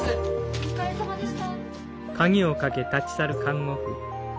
お疲れさまでした。